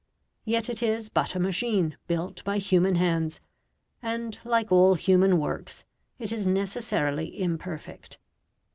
Yet it is but a machine built by human hands, and, like all human works, it is necessarily imperfect.